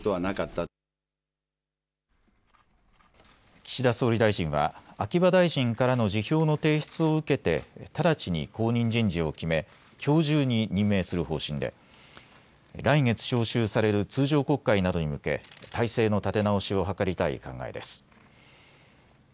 岸田総理大臣は秋葉大臣からの辞表の提出を受けて直ちに後任人事を決めきょう中に任命する方針で来月召集される通常国会などに向け体制の立て直しを図りたい考えです。